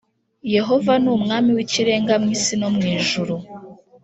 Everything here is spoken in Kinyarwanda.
Yehova nuMwami wIkirenga mwisi no mwijuru